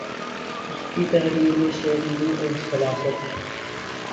اسکی تحریر میں شیرینی اور سلاست ہے